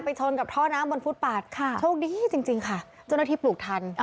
ไปชนกับท่อน้ำบนพูดปัดค่ะโชคดีจริงค่ะจนอาทิตย์ปลูกทัน